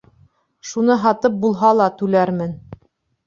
Шуны һатып булһа ла, түләрмен.